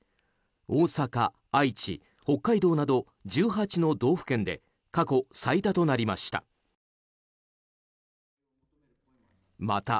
大阪、愛知、北海道など１８の道府県で過去最多となりました。